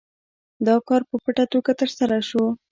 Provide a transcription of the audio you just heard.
دا کار په پټه توګه ترسره شو.